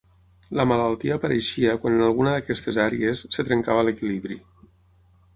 La malaltia apareixia quan en alguna d'aquestes àrees es trencava l'equilibri.